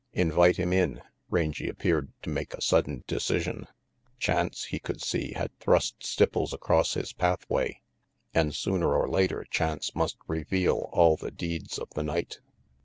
"Invite him in," Rangy appeared to make a sudden decision. Chance, he could see, had thrust Stipples across his pathway; and sooner or later chance must reveal all the deeds of the night.